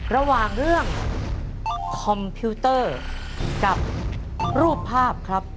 ระหว่างเรื่องคอมพิวเตอร์กับรูปภาพครับ